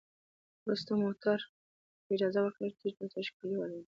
وروسته موټرو ته اجازه ورکول کیږي ترڅو شګې والوزوي